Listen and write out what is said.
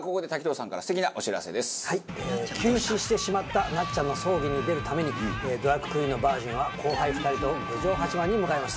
急死してしまったなっちゃんの葬儀に出るためにドラァグクイーンのバージンは後輩２人と郡上八幡に向かいます。